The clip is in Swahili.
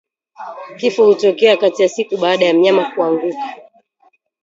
Kifo hutokea kati ya siku baada ya mnyama kuanguka